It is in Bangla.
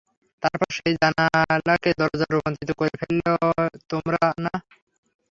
তারপর, সেই জানালাকে দরজায় রূপান্তরিত করে ফেললে তোমরা, না?